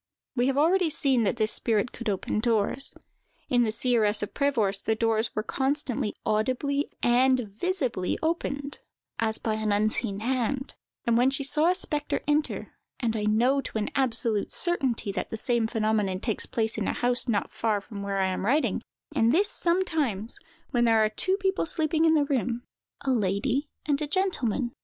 We have already seen that this spirit could open doors. In the "Seeress of Prevorst," the doors were constantly audibly and visibly opened, as by an unseen hand, when she saw a spectre enter; and I know to an absolute certainty that the same phenomenon takes place in a house not far from where I am writing; and this, sometimes, when there are two people sleeping in the room—a lady and gentleman.